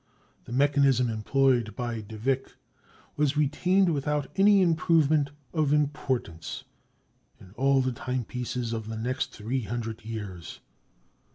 The mechanism employed by de Vick was retained without any improvement of importance in all the time pieces of the next three hundred years.